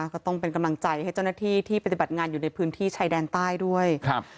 ก็ต้องเป็นกำลังใจให้เจ้าหน้าที่ที่ปฏิบัติงานอยู่ในพื้นที่ชายแดนใต้ด้วยครับ